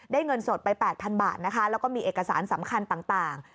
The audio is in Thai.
เงินสดไป๘๐๐๐บาทนะคะแล้วก็มีเอกสารสำคัญต่าง